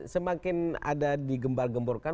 semakin ada digembar gemburkan